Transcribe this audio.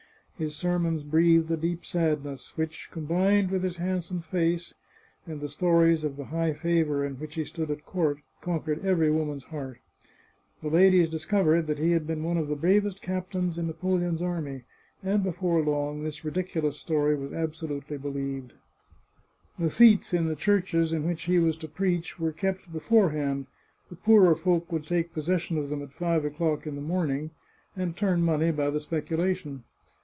His sermons breathed a deep sadness, which, combined with his handsome face, and the stories of the high favour in which he stood at court, conquered every woman's heart. The The Chartreuse of Parma ladies discovered that he had been one of the bravest cap tains in Napoleon's army, and before long, this ridiculous story was absolutely believed. The seats in the churches in which he was to preach were kept beforehand ; the poorer folk would take possession of them at five o'clock in the morning, and turn money by the speculation.